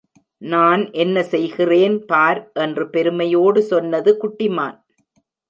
நான் என்ன செய்கிறேன் பார் என்று பெருமையோடு சொன்னது குட்டி மான்.